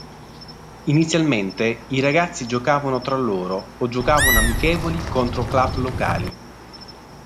Inizialmente i ragazzi giocavano tra loro o giocavano amichevoli contro club locali.